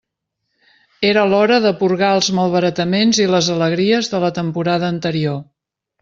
Era l'hora de porgar els malbarataments i les alegries de la temporada anterior.